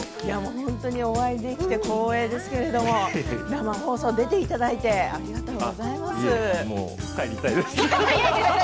本当にお会いできて光栄ですけれども生放送に出ていただいていえいえ